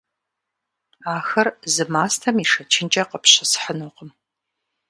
Ахэр зы мастэм ишэчынкӀэ къыпщысхьынукъым.